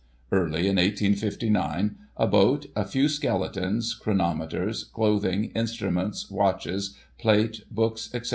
Early in 1859, ^ boat, a few skeletons, chronometers, clothing, instruments, watches, plate, books, etc.